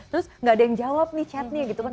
terus nggak ada yang jawab nih chatnya gitu kan